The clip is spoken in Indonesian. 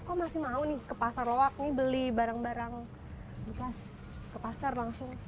kok masih mau nih ke pasar loak ini beli barang barang bekas ke pasar langsung